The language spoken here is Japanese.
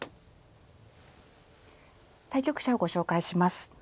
対局者をご紹介します。